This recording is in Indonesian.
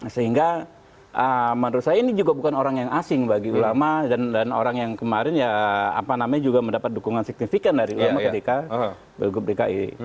sehingga menurut saya ini juga bukan orang yang asing bagi ulama dan orang yang kemarin ya apa namanya juga mendapat dukungan signifikan dari ulama ketika pilgub dki